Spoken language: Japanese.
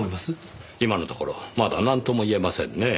今のところまだなんとも言えませんねぇ。